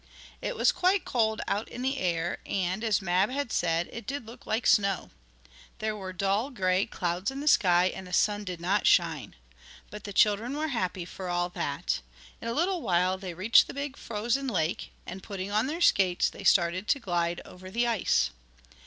It was quite cold out in the air, and, as Mab had said, it did look like snow. There were dull, gray clouds in the sky, and the sun did not shine. But the children were happy for all that. In a little while they reached the big frozen lake, and, putting on their skates they started to glide over the ice.